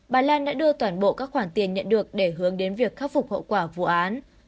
bà lan đã đưa toàn bộ các khoản tiền nhận được để hướng đến việc khắc phục hậu quả vụ án